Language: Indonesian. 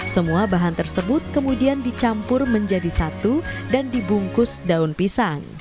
semua bahan tersebut kemudian dicampur menjadi satu dan dibungkus daun pisang